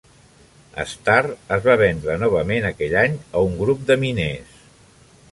Star es va vendre novament aquell any a un grup de miners.